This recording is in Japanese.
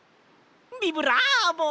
ビブラーボ！